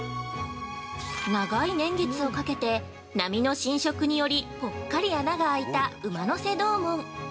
◆長い年月をかけて、波の侵食によりぽっかり穴が空いた馬の背洞門。